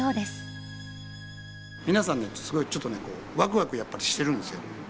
皆さんねすごいちょっとねこうワクワクやっぱりしてるんですよ。